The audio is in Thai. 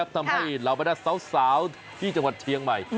ทำให้เราไม่ได้เศร้าที่จังหวัดเทียงใหม่